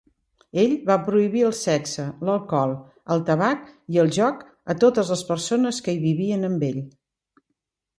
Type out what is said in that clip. Ell va prohibir el sexe, l"alcohol, el tabac i el joc a totes les persones que hi vivien amb ell.